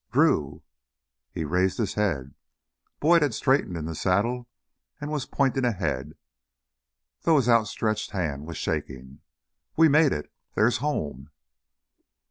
"Drew!" He raised his head. Boyd had straightened in the saddle and was pointing ahead, though his outstretched hand was shaking. "We made it there's home!"